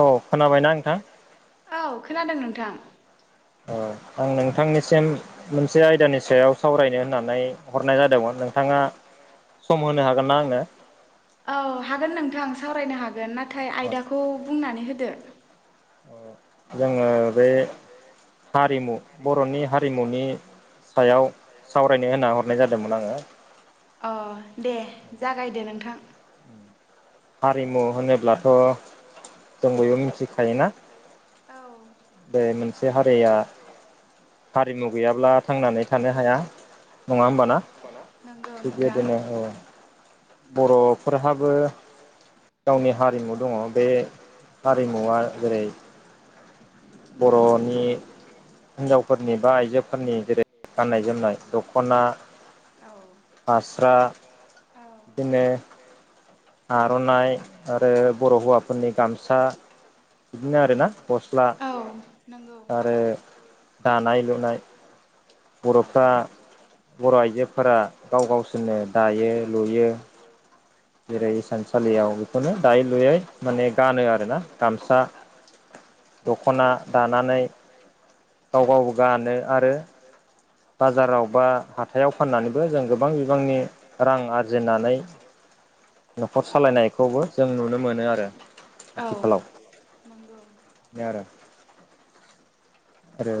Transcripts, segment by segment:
औ खोनाबायना नोंथां? थां [unintelligible] आं नोंथांनिसिम मोनसे आयदानि सायाव सावरायनो होननानै हरनाय जादोंमोन नोंथाङा सम होनो हागोन ना आंनो? सावरायनो हागोन ना थाय आयदाखौ बुंनानै होदो। ओ जोङो बे हारिमु बर'नि हारिमुनि सायाव सावरायनो होनना हरनाय जादोंमोन आङो। अ दे जागायदो नोंथां। औ औ नंगौ नोंथां। बर'फोरहाबो गावनि हारिमु दङ। बे हारिमुवा जेरै बर'नि हिनजावफोरनि बा आइजोफोरनि जेरै जा गाननाय जोमनाय दखना औ फास्रा बिदिनो आर' नाय आरो बर' हौवाफोरनि गामसा बिदिनो आरोना गस्ला। आरो दानाय लुनाय बर'फ्रा बर' आइजोफोरा गाव गावसोरनो दायो लुयो। जेरै हिसानसालियाव बेखौनो दायै लुयै माने गानो आरोना गामसा दख'ना दानानै गाव गाव गावबो गानो आरो बाजाराव बा हाथायाव फाननानैबो जों गोबां बिबांनि रां आरजिनानै न'खर सालायनाय खौबो जों नुनो मोनो आरो आथिखालाव बेनो आरो। आरो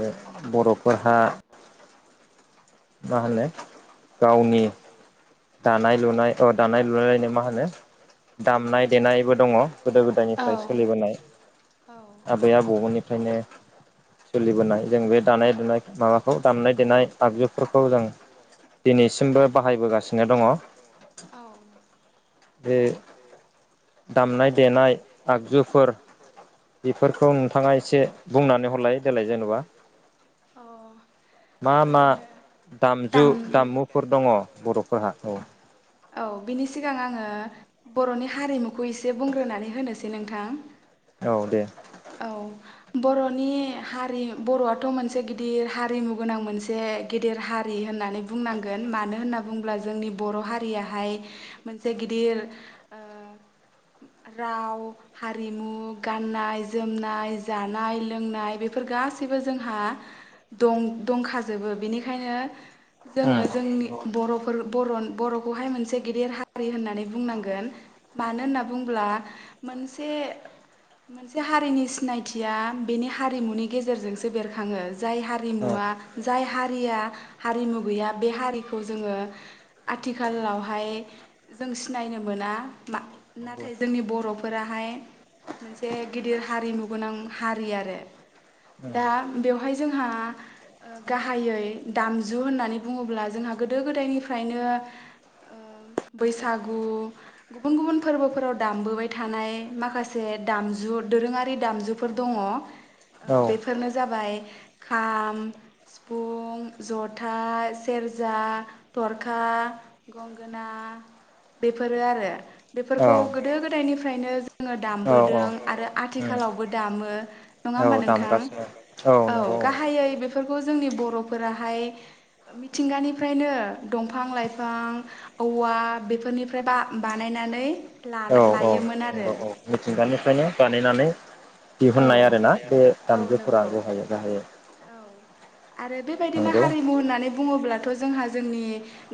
बर'फोरहा मा होनो गावनि दानाय लुनाय अ दानाय लुनायलायनो मा होनो दामनाय देनायबो दङ गोदो गोदायनिफ्राय सोलिबोनाय आबै आबौमोननिफ्रायनो सोलिबोनाय जों बे दानाय दनाय माबाखौ दामनेय य देनाय आगजु आगजुफोरखौ जों दिनैसिमबो बाहायबोगासिनो दङ औ बे दामनाय देनाय आगजुफोर बेफोरखौ नोंथाङा एसे बुंनानै होलाय देलाय जेनेबा अ ओरैनो दामजु दामुफोर दङ बर'फोरहा औ औ बिनि सिगां आङो बर'नि हारिमुखौ एसे बुंग्रोनानै होनोसै नोंथां औ बर'नि हारि बर'आथ' मोनसे मोनसे गिदिर हारिमु गोनां मोनसे गिदिर हारि होननानै बुंनांगोन मानो होनना बुंङोब्ला जोंनि बर' हारियाहाय मोनसे गिदिर राव हारिमु गाननाय जोमनाय जानाय लोंनाय बेफोर गासैबो जोंहा दं दंखाजोबो बेनिखायनो जोङो जोंनि बर'फोर बर' बर'खौहाय मोनसे गेदिर हारि होननानै बुंनांगोन मानो होनना बुंङोब्ला मोनसे मोनसे हारिनि सिनायथिया बेनि हारिमुनि गेजेरजोंसो बेरखाङो जाय हारिमुवा जाय हारि हारिया हारिमु गैया बे हारिखौ जोङो आथिखालावहाय जों सिनायनो मोना मा नाथाय जोंनि बर' फोराहाय मोनसे गिदिर हारिमु गोनां हारि आरो। दा बेव जोंहा गाहायै दामजु होननानै बुङोब्ला जोंहा गोदो गोदायनिफ्रायनो ओ बैसागु गुबुन गुबुन फोरबोफोराव दामबोबाय थाय थानाय माखासे दामजु दोरोङारि दामजुफोर दङ ओ बेफोरनो जाबाय खाम सिफुं ज'थाइ सेरजा थरखा गंगोना बेफोरो आरो बेफोरखौ गोदो गोदायनि फ्रायनो जोङो दामबोदों आरो आथिखालावबो दामो नङा होमबा नोंथां। गाहायै बेफोरखौ जोंनि बर'फोराहाय मिथिंगानिफ्रायनो दंफां लाइफां औवा बेफोरनिफ्राय बा बानायनानै औ औ नंगौ औ मिथिंगानिफ्रायनो बानायनानै औ औ नंगौ औ आरो बेबायदिनो हारिमु होननानै बुङोब्लाथ' जोंहा जोंनि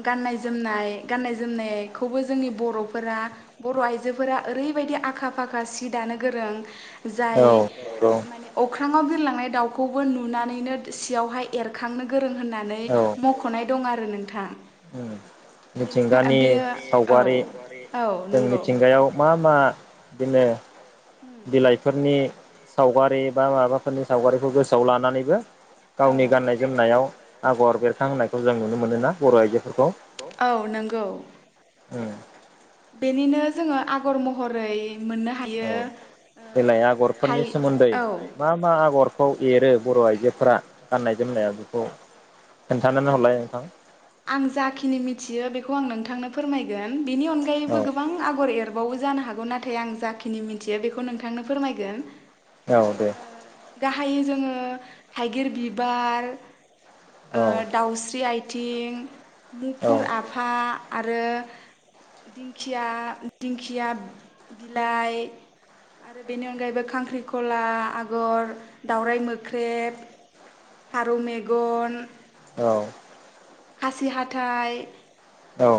गाननाय जोमनाय गाननाय जोमनायखौबो जोंनि बर'फोरा बर' आइजोफोरा ओरैबायदि आखा फाखा सि दानो गोरों जाय माने अग अख्राङाव बिरलांनाय दाउखौबो नुनानैनो सियावहाय एरखांनो गोरों होननानै मख'नाय दं आरो नोंथां। मिथिंगानि सावगारि जों मिथिंगायाव मा मा बिदिनो बिलाइफोरनि सावगारि बा माबाफोरनि सावगारिखौ गोसोआव लानानैबो गावनि गाननाय जोमनायाव आगर बेरखां होननायखौ जों नुनो मोनोना बर' आइजोफोरखौ। नंगौ। बेनिनो जोङो आगर महरै मोननो हायो। देलाय आगरफोरनि सोमोन्दै मा मा आगर खौ एरो बर' आइजोफोरा गाननाय जोमनाया बेखौ औ आं जाखिनि मिथियो बेखौ आं नों थांनो फोरमायगोन। बेनि अनगायैबो गोबां आगर एरबावो जानो हागो गौ नाथाय आं जाखिनि मिथियो बेखौ नोंथांनो फोरमायगोन। औ दे। गाहायै जोङो थाइगिर बिबार ओ दावस्रि आइ थिं मुफुर आफा आरो दिंखिया दिंखिया बिलाइ आरो बेनि अनगायैबो खांख्रिखला आग आगर दाावराय मोख्रेब फारौ मेगन औ खासि हाथाइ औ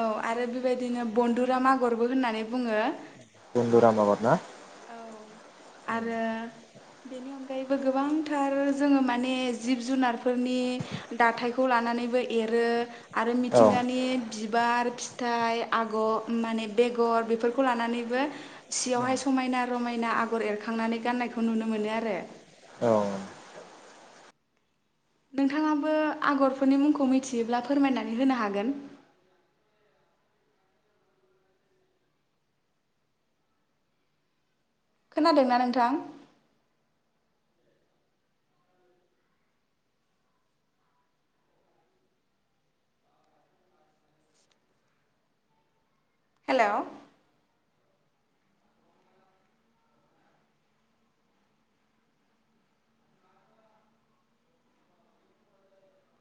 औ आरो बेबायदिनो बनदुरा आगरबो होननानै बुङो। औ आरो बेनि अनगायैबो गोबांथार जोङो माने जिब जुनारफोरनि दाथायखौ लानानैबो एरो आरो मिथिंगानि बिबार फिथाइ आग माने बेगर बेफोरखौ लानानैबो सियावहाय समायना रमायना ना आगर एरखांनानै गान्नायखौ नुनो मोनो आरो। औ नोंथाङाबो आगरफोरनि मुंखौ मिथियोब्ला फोरमायनानै होनो हागोन। खोनादोंना नोंथां? हेल'